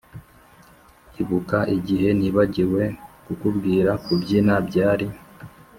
ibuka igihe nibagiwe kukubwira kubyina byari